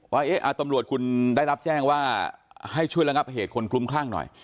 ว่าตำรวจคุณได้รับแจ้งว่าให้ช่วยระงับเหตุคนคลุ้มคลั่งหน่อย